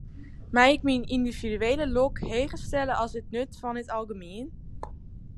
Mei ik myn yndividuele lok heger stelle as it nut fan it algemien?